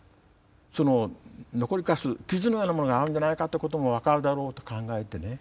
その残りかす傷のようなものがあるんじゃないかってことも分かるだろうと考えてね。